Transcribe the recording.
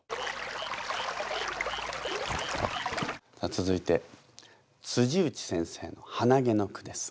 続いて内先生の「はなげ」の句です。